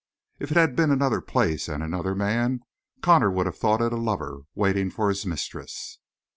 If it had been another place and another man Connor would have thought it a lover waiting for his mistress.